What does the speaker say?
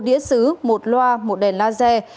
một đĩa xứ một loa một đèn laser